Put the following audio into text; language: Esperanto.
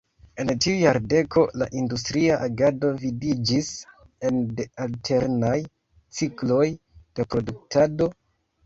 En tiu jardeko la industria agado vidiĝis ene de alternaj cikloj de produktado.